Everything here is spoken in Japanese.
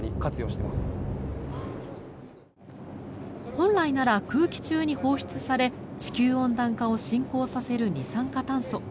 本来なら空気中に放出され地球温暖化を進行させる二酸化炭素。